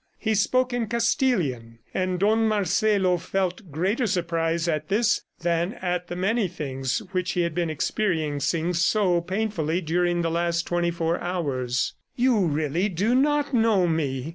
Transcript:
He spoke in Castilian, and Don Marcelo felt greater surprise at this than at the many things which he had been experiencing so painfully during the last twenty four hours. "You really do not know me?"